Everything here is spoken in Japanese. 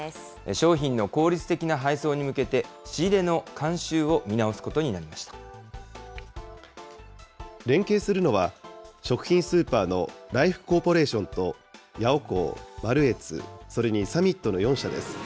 商品の効率的な配送に向けて、仕入れの慣習を見直すことになり連携するのは、食品スーパーのライフコーポレーションとヤオコー、マルエツ、それにサミットの４社です。